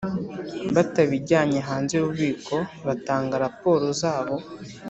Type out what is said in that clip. Batabijyanye hanze y ububiko batanga raporo zabo